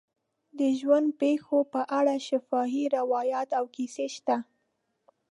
د ژوند پېښو په اړه شفاهي روایات او کیسې شته.